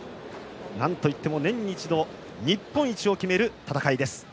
なんといっても年に一度、日本一を決める戦いです。